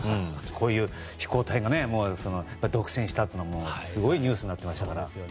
こういう飛行隊が独占したというのはすごいニュースになっていましたから。